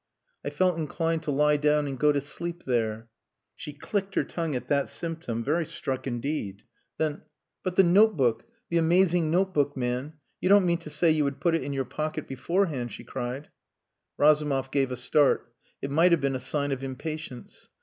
"I felt inclined to lie down and go to sleep there." She clicked her tongue at that symptom, very struck indeed. Then "But the notebook! The amazing notebook, man. You don't mean to say you had put it in your pocket beforehand!" she cried. Razumov gave a start. It might have been a sign of impatience.